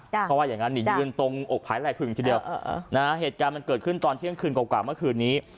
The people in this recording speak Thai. เพราะว่าอย่างนั้นยืนตรงอกผายไหล่ผึ่งทีเดียวเหตุการณ์มันเกิดขึ้นตอนเที่ยงคืนกว่าเมื่อคืนนี้